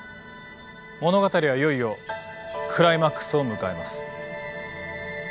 物語はいよいよクライマックスを迎えます。